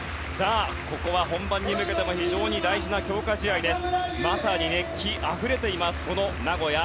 ここは本番に向けても非常に大事な強化試合です。